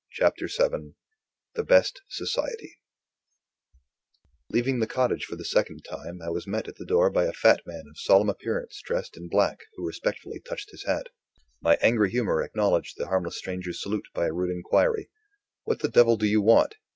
CHAPTER VII THE BEST SOCIETY Leaving the cottage for the second time, I was met at the door by a fat man of solemn appearance dressed in black, who respectfully touched his hat. My angry humor acknowledged the harmless stranger's salute by a rude inquiry: "What the devil do you want?"